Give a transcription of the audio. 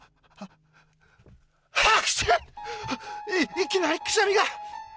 いきなりくしゃみが。